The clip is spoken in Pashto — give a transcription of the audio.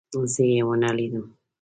زه يې ونه لیدم.